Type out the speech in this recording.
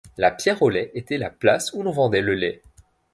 La Pierre-au-Lait était la place où l'on vendait le lait.